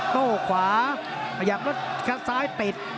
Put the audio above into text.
โต้ขวาขยับรถแค่ซ้ายติด